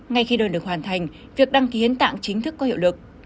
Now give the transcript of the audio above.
ngay khi đơn được hoàn thành việc đăng ký hiến tặng chính thức có hiệu lực